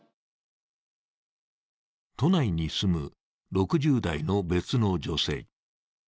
都内に住む６０代の別の女性。